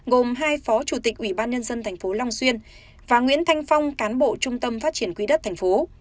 gồm hai phó chủ tịch ủy ban nhân dân thành phố long xuyên và nguyễn thanh phong cán bộ trung tâm phát triển quỹ đất thành phố